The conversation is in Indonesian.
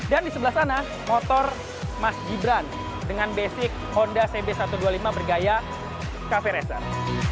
dan di sebelah sana motor mas gibran dengan basic honda cb satu ratus dua puluh lima bergaya cafe racer